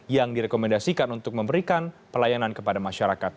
yang direkomendasikan untuk memberikan pelayanan kepada masyarakat